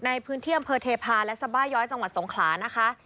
ในพื้นที่อำเภอเทพาและสบาย้อยจังหวัดสงขลานะคะ